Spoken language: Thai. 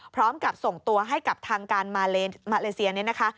พร้อมกับส่งตัวให้กับทางการมาเลเซียเนี่ยนะคะ